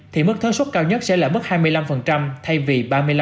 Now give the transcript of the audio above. thì mức thuế xuất cao nhất sẽ là mức hai mươi năm thay vì ba mươi năm